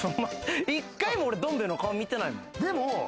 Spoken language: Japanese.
１回も俺、どんべぇの顔見てないもん。